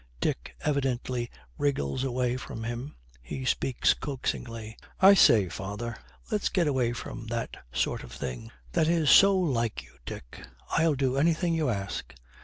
Dick evidently wriggles away from them. He speaks coaxingly. 'I say, father, let's get away from that sort of thing.' 'That is so like you, Dick! I'll do anything you ask.'